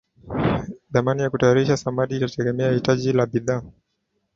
Thamani ya kutayarisha samadi itategemea hitaji la bidhaa